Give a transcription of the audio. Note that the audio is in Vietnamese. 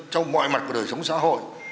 trong mọi mặt của đời sống xã hội